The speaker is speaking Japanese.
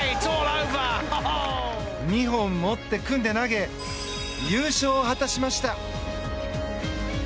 二本持って組んで投げ優勝を果たしました。